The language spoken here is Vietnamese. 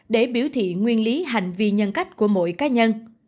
để biểu thị nguyên lý hành vi nhân cách của mỗi cá nhân